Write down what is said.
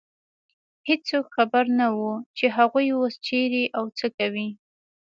هېڅوک خبر نه و، چې هغوی اوس چېرې او څه کوي.